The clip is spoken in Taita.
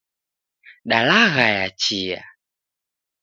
Dalaghaya chia.